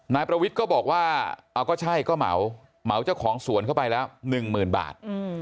นายประวิทย์ก็บอกว่าเอาก็ใช่ก็เหมาเจ้าของสวนเข้าไปแล้วหนึ่งหมื่นบาท